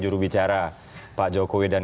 jurubicara pak jokowi dan